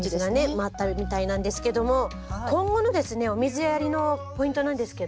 回ったみたいなんですけども今後のですねお水やりのポイントなんですけど。